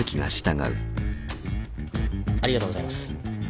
ありがとうございます。